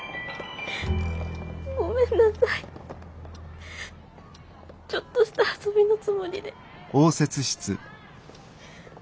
ごめんなさいちょっとした遊びのつもりで。